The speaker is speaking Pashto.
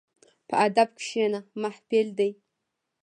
په ادب کښېنه، محفل دی.